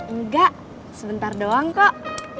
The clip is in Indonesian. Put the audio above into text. enggak sebentar doang kok